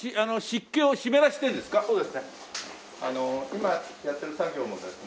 今やってる作業もですね